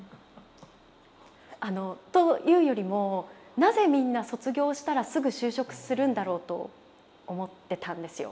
あのというよりもなぜみんな卒業したらすぐ就職するんだろうと思ってたんですよ。